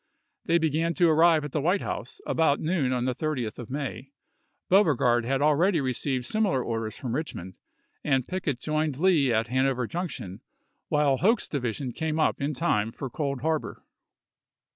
They began to arrive, at the White House about noon of the 30th of May. Beauregard had already received similar orders from Richmond, and Pickett joined Lee at Hanover Junction, while Hoke's divi sion came up in time for Cold Harbor.